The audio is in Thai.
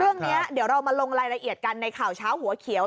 เรื่องนี้เดี๋ยวเรามาลงรายละเอียดกันในข่าวเช้าหัวเขียว